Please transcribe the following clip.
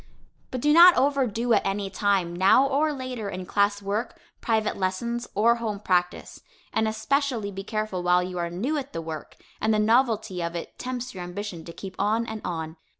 But do not overdo at any time, now or later, in class work, private lessons, or home practice, and especially be careful while you are new at the work, and the novelty of it tempts your ambition to keep on and on.